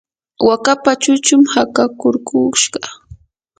wakapa chuchun hakakurkushqa.